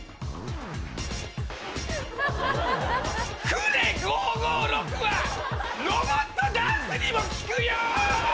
ＫＵＲＥ５−５６はロボットダンスにも効くよ！